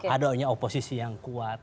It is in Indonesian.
ada oposisi yang kuat